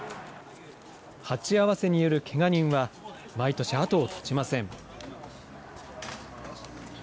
鉢合わせによるけが人は毎年後を絶ちません。